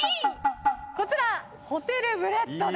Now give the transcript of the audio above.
こちらホテルブレッドです。